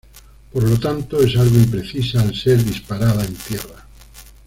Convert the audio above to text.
Por lo tanto, es algo imprecisa al ser disparada en tierra.